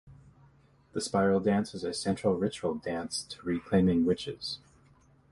The spiral dance is a central ritual dance to Reclaiming Witches.